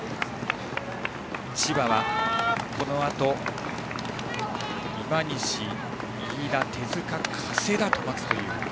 千葉はこのあと今西、飯田、手塚加世田が待つという。